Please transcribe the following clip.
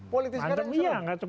politik sekarang serem